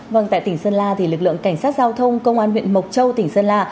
vâng tại tỉnh sơn la thì lực lượng cảnh sát giao thông công an huyện mộc châu tỉnh sơn la